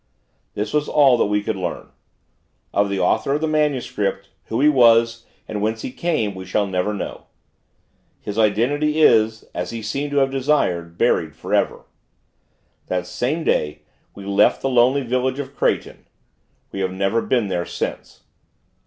This was all that we could learn. Of the author of the MS., who he was, and whence he came, we shall never know. His identity is, as he seems to have desired, buried forever. That same day, we left the lonely village of Kraighten. We have never been there since.